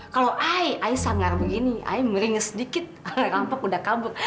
kalau ay ay sanggar begini ay meringes sedikit rampak udah kabur